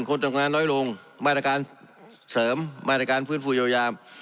คนจำงานน้อยลงแม่นอาการเสริมแม่นอาการฟื้นฟูโยยาม